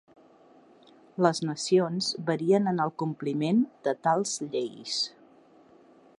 Les nacions varien en el compliment de tals lleis.